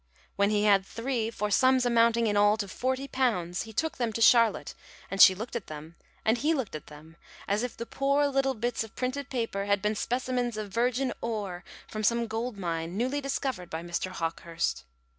When he had three, for sums amounting in all to forty pounds, he took them to Charlotte, and she looked at them, and he looked at them, as if the poor little bits of printed paper had been specimens of virgin ore from some gold mine newly discovered by Mr. Hawkehurst.